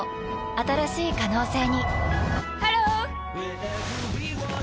新しい可能性にハロー！